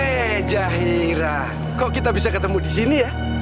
hei jahira kok kita bisa ketemu disini ya